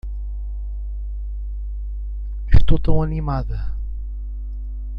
Estou tão animada!